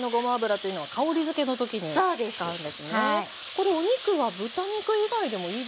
これお肉は豚肉以外でもいいですか？